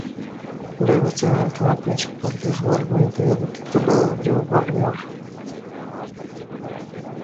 Luego estrenó el tema principal de su álbum de debut titulado ""Drew Barrymore"".